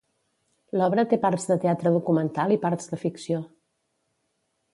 L'obra té parts de teatre documental i parts de ficció.